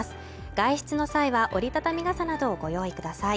外出の際は折りたたみ傘などをご用意ください。